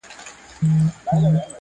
چي مي د اوښکو لاره ستړې له ګرېوانه سوله!